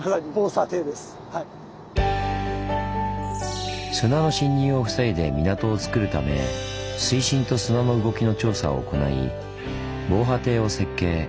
砂の侵入を防いで港をつくるため水深と砂の動きの調査を行い防波堤を設計。